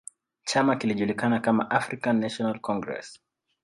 chama kilijulikana kama African National Congress